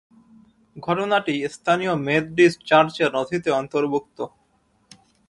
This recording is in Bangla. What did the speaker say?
ঘটনাটি স্থানীয় মেথডিস্ট চার্চের নথিতে অন্তর্ভুক্ত।